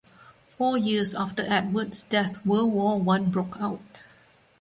Four years after Edward's death, World War One broke out.